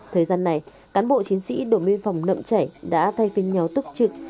thời gian này cán bộ chiến sĩ đội biên phòng nộng chảy đã thay phim nhau tức trực